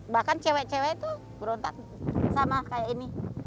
bahkan cewek cewek itu berontak sama kayak ini